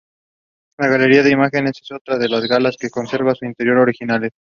La "Galería de imágenes" es otra de las salas que conservan su interior original.